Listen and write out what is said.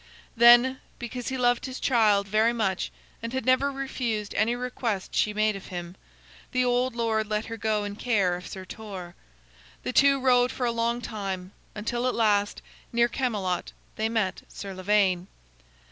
Then, because he loved his child very much and had never refused any request she made of him, the old lord let her go in care of Sir Torre. The two rode for a long time, until at last, near Camelot, they met Sir Lavaine.